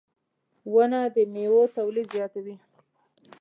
• ونه د میوو تولید زیاتوي.